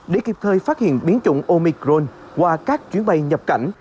để kịp thời phát hiện biến chủng omicron qua các chuyến bay nhập cảnh